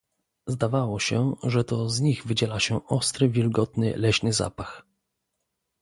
"Zdawało się, że to z nich wydziela się ostry, wilgotny, leśny zapach."